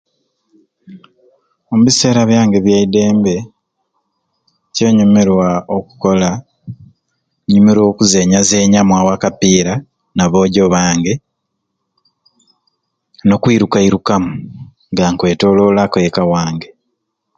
Ombiseera byange ebyaidembe kyenyumirwa okukola nyumirwa okuzenyazenyamu awo akapiira nabojjo bange nokuiruka irukamu nga nkwetololaku ekka ewange.